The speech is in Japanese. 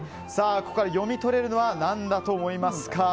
ここから読み取れるのは何だと思いますか。